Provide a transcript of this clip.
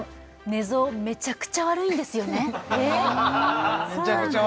寝相めちゃくちゃ悪いんですよねえっそうなんだ